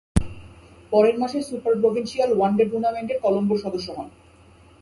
পরের মাসে super provincial one day টুর্নামেন্টের কলম্বোর সদস্য হন।